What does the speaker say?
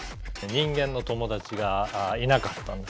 人間の友達がいなかったんですね。